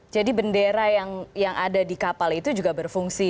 jadi bendera yang ada di kapal itu juga berfungsi